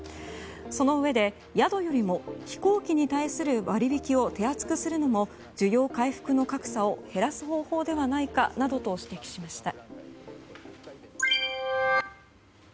そのうえで宿よりも飛行機に対する割引を手厚くするのも需要回復の格差を減らす方法ではないかなどと指摘しました。